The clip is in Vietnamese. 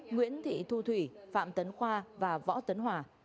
nguyễn thị thu thủy phạm tấn khoa và võ tấn hòa